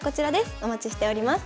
お待ちしております。